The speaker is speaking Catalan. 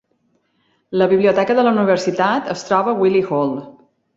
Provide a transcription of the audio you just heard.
La biblioteca de la Universitat es troba a Wyllie Hall.